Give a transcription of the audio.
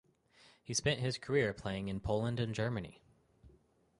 He spent his career playing in Poland and Germany.